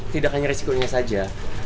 tidak hanya risikonya saja